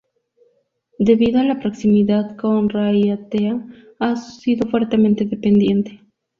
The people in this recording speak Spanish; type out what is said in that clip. Debido a la proximidad con Raiatea, ha sido fuertemente dependiente.